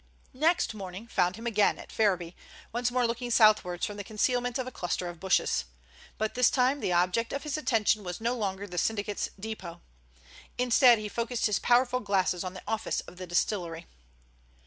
Next morning found him again at Ferriby, once more looking southwards from the concealment of a cluster of bushes. But this time the object of his attention was no longer the syndicate's depot. Instead he focused his powerful glasses on the office of the distillery.